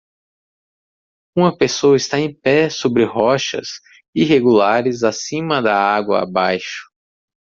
Uma pessoa está em pé sobre rochas irregulares acima da água abaixo.